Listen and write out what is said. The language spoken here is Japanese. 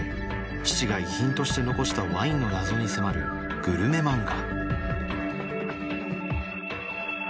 父が遺品として残したワインの謎に迫るグルメ漫画